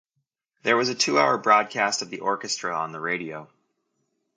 There was a two-hour broadcast of the orchestra on the radio.